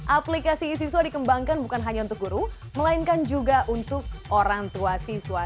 aplikasi siswa dikembangkan bukan hanya untuk guru melainkan juga untuk orang tua siswa